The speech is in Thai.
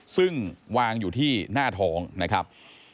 ซึ่งวางอยู่ที่หน้าท้องนะครับ